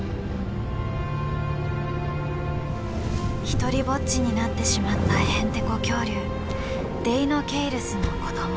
独りぼっちになってしまったヘンテコ恐竜デイノケイルスの子ども。